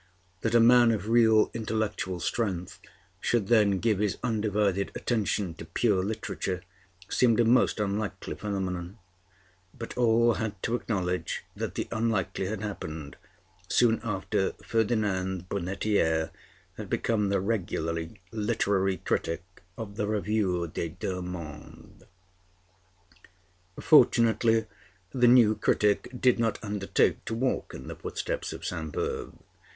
That a man of real intellectual strength should then give his undivided attention to pure literature seemed a most unlikely phenomenon; but all had to acknowledge that the unlikely had happened, soon after Ferdinand Brunetière had become the regular literary critic of the Revue des Deux Mondes. Fortunately the new critic did not undertake to walk in the footsteps of Sainte Beuve.